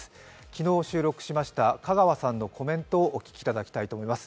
昨日収録しました香川さんのコメントをお聞きいただきたいと思います。